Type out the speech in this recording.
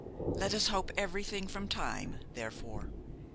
Let us hope everything from time, therefore.